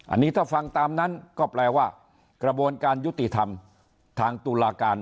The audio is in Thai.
อันนี้ถ้าฟังตามนั้นก็แปลว่ากระบวนการยุติธรรมทางตุลาการ